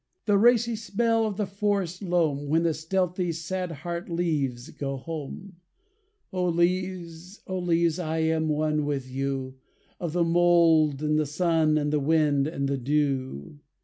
The racy smell of the forest loam, When the stealthy, sad heart leaves go home; (O leaves, O leaves, I am one with you, Of the mould and the sun and the wind and the dew!)